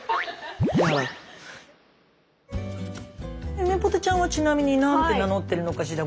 ゆめぽてちゃんはちなみに何て名乗ってるのかしら？